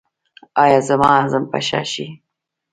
ایا زما هضم به ښه شي؟